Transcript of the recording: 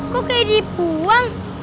kok kayak dipuang